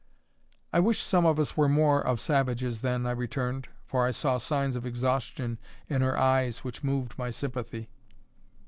"I wish some of us were more of savages, then," I returned; for I saw signs of exhaustion in her eyes which moved my sympathy.